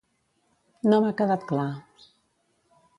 No m'ha quedat clar.